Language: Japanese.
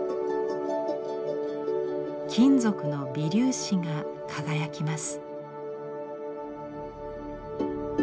金属の微粒子が輝きます。